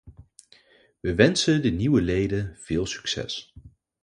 We wensen de nieuwe leden veel succes.